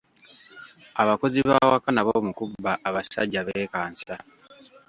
Abakozi b’awaka nabo mu kubba abasajja beekansa.